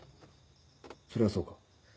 それはそうか。